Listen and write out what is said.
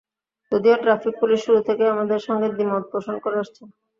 যদিও traffic police শুরু থেকেই আমাদের সঙ্গে দ্বিমত পোষণ করে আসছে।